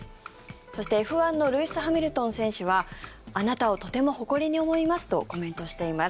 そしてＦ１のルイス・ハミルトン選手はあなたをとても誇りに思いますとコメントしています。